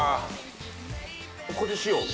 ここで塩。